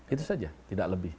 itu saja tidak lebih